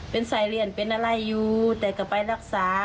เป็นสายเรียนเป็นอะไรอยู่แต่ก็ไปรักษา